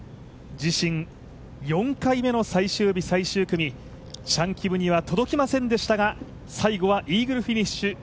自身４回目の最終日最終組チャン・キムには届きませんでしたが、最後はイーグルフィニッシュ。